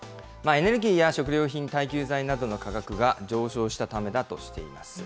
エネルギーや食料品、耐久財などの価格が上昇したためだとしています。